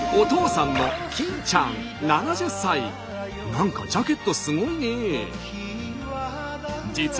何かジャケットすごいね。